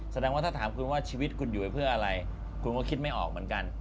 แสดงว่าถ้าถามคุณว่าชีวิตคุณอยู่ไปเพื่ออะไรคุณก็คิดไม่ออกเหมือนกัน